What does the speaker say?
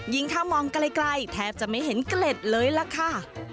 ถ้ามองไกลแทบจะไม่เห็นเกล็ดเลยล่ะค่ะ